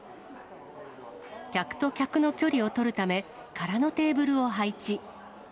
客と客の距離を取るため、空のテーブルを配置。